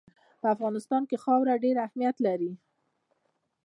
په افغانستان کې خاوره ډېر اهمیت لري.